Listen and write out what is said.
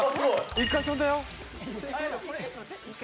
１回跳んだよ。